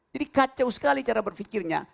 jadi kacau sekali cara berfikirnya